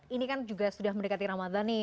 ini kan juga sudah mendekati ramadan nih